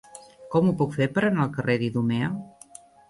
Com ho puc fer per anar al carrer d'Idumea?